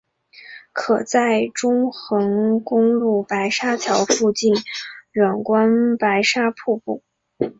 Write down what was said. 可在中横公路白沙桥附近远观白沙瀑布。